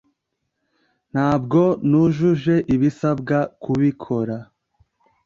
ntabwo nujuje ibisabwa kubikora